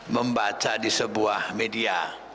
membaca di sebuah media